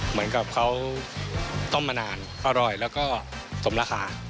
เหมือนกับเขาต้มมานานอร่อยแล้วก็สมราคา